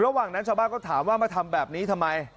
ระหว่างนั้นชาวบ้านก็ถามว่ามาทำแบบนี้ทำไม